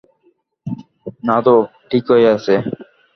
নাতো, ঠিকই আছে।